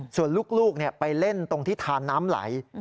ส่วนลูกไปเล่นตรงที่ทานน้ำไหล